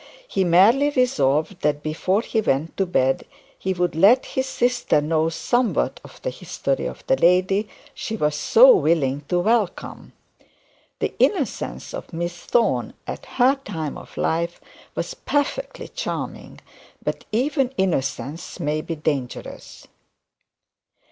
He merely resolved that before he went to bed he would let his sister know somewhat of the history of the lady she was so willing to welcome. The innocence of Miss Thorne, at her time of life, was perfectly charming; but even innocence may be dangerous.